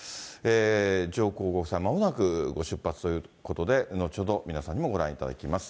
上皇ご夫妻、まもなくご出発ということで、後ほど皆さんにもご覧いただきます。